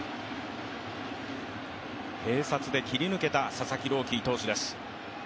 併殺で切り抜けた佐々木朗希投手です。